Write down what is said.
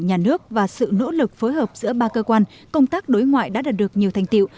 nhà nước và sự nỗ lực phối hợp giữa ba cơ quan công tác đối ngoại đã đạt được nhiều thành tiệu